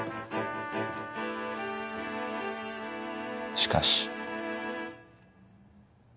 しかし。